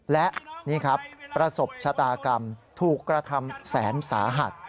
และนี่ครับประสบชะตากรรมถูกกระทำแสนสาหัส